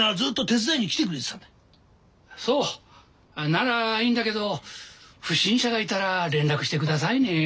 ならいいんだけど不審者がいたら連絡してくださいね。